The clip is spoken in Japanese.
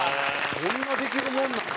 そんなできるもんなの？